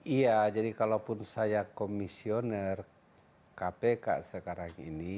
iya jadi kalaupun saya komisioner kpk sekarang ini